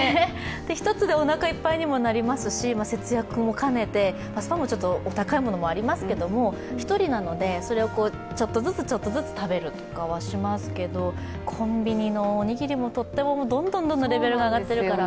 １つでおなかいっぱいにもなりますし節約も兼ねて、お高いものもありますけど１人なので、それをちょっとずつ食べるとかはしますけど、コンビニのおにぎりもどんどんレベルが上がってるから。